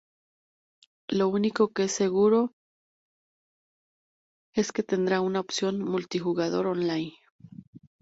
Lo único que es seguro, es que tendrá una opción multijugador online.